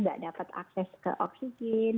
nggak dapat akses ke oksigen